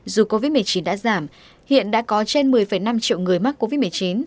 dù covid một mươi chín đã giảm hiện đã có trên một mươi năm triệu người mắc covid một mươi chín